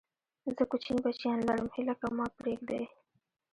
زه کوچني بچيان لرم، هيله کوم ما پرېږدئ!